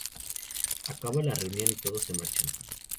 Acaba la reunión y todos se marchan.